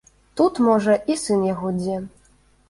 Тут, можа, і сын яго дзе.